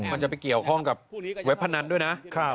มันจะไปเกี่ยวข้องกับเว็บพนันด้วยนะ